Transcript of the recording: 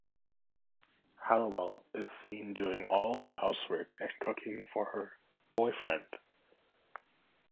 Halliwell is seen doing all the housework and cooking for her 'boyfriend'.